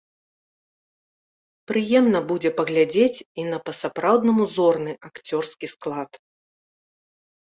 Прыемна будзе паглядзець і на па-сапраўднаму зорны акцёрскі склад.